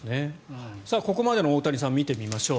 ここまでの大谷さんを見てみましょう。